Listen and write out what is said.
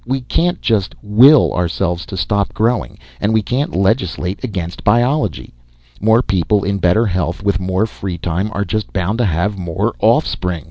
We can't just will ourselves to stop growing, and we can't legislate against biology. More people, in better health, with more free time, are just bound to have more offspring.